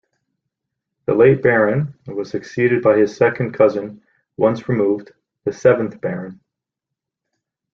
The late Baron was succeeded by his second cousin once removed, the seventh Baron.